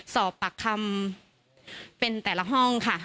สอบปากคำเป็นแต่ละห้องค่ะ